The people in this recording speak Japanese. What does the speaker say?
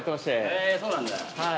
へぇそうなんだ。